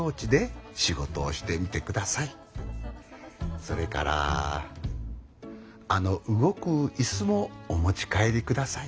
それからあの動く椅子もお持ち帰り下さい。